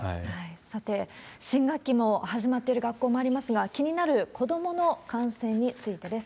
さて、新学期も始まっている学校もありますが、気になる子どもの感染についてです。